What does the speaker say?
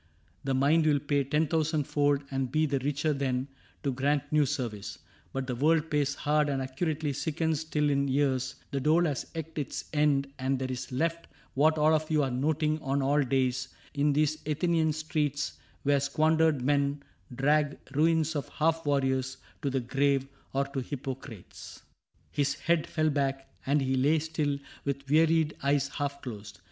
The mind will pay Ten thousand fold and be the richer then To grant new service ; but the world pays hard And accurately sickens till in years The dole has eked its end and there is left What all of you are noting on all days In these Athenian streets, where squandered men Drag ruins of half warriors to the grave — Or to Hippocrates." His head fell back, And he lay still with wearied eyes half closed.